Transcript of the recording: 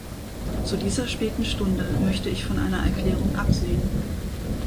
Zu dieser späten Stunde möchte ich von einer Erklärung absehen.